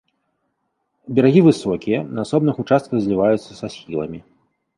Берагі высокія, на асобных участках зліваюцца са схіламі.